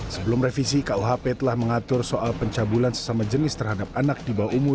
sebelum revisi kuhp telah mengatur soal pencabulan sesama jenis terhadap anak di bawah umur